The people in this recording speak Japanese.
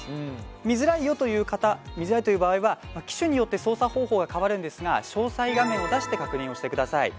見づらいよという方見づらいという場合は機種によって操作方法が変わるんですが詳細画面を出して確認をしてください。